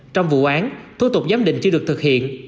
trong vụ án thủ tục giám định chưa được thực hiện